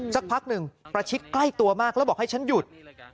สักพักหนึ่งประชิดใกล้ตัวมากแล้วบอกให้ฉันหยุด